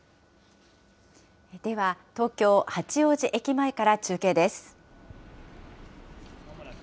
では、東京・八王子駅前から中継です。